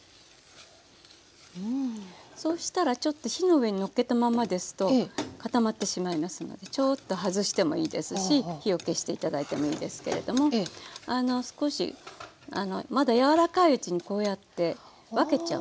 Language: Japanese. そうしたらちょっと火の上にのっけたままですと固まってしまいますのでちょっと外してもいいですし火を消して頂いてもいいですけれども少しまだ柔らかいうちにこうやって分けちゃうのね。